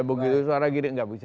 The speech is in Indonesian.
nah itu gimana tuh mbak